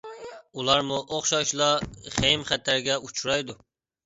ئۇلارمۇ ئوخشاشلا خېيىم- خەتەرگە ئۇچرايدۇ.